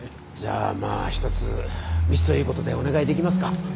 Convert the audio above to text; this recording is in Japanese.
じゃあまあひとつミスということでお願いできますか。